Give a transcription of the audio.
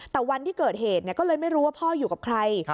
แต่วันที่เกิดเหตุก็เลยไม่รู้ว่าพ่ออยู่กับใคร